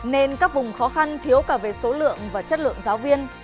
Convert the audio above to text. nên các vùng khó khăn thiếu cả về số lượng và chất lượng giáo viên